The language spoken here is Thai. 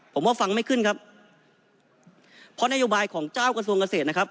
ผมว่าฟังไม่ขึ้นครับเพราะนโยบายของเจ้ากระทรวงเกษตรนะครับ